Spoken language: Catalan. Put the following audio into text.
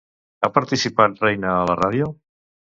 Ha participat Reyna a la ràdio?